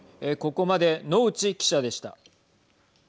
ここまで、能智記者でした。